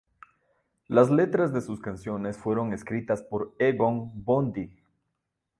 Las letras de sus canciones fueron escritas por Egon Bondy.